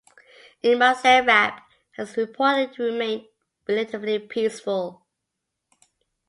In Marseille rap has reportedly remained relatively peaceful.